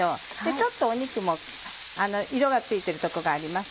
ちょっと肉も色がついているとこがあります。